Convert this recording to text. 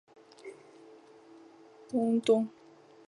国际名人录封为亚洲五百大领导者之一。